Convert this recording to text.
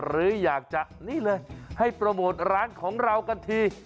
หรืออยากจะนี่เลยให้โปรโมทร้านของเรากันที